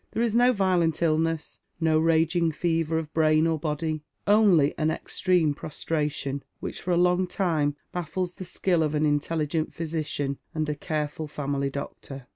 There is no violent illness, no raging fever of brain or body, only an extreme prostration, which for a long time baffles the skill of an intelligent physician and a careful family doctor.